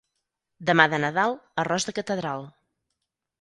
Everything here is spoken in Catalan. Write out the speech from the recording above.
Demà de Nadal, arròs de catedral.